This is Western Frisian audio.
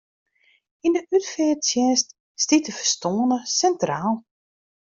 Yn de útfearttsjinst stiet de ferstoarne sintraal.